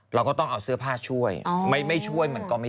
เราก็ต้องเอาเสื้อผ้าช่วยไม่ช่วยมันก็ไม่